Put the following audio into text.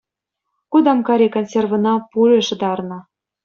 Кутамккари консервӑна пуля шӑтарнӑ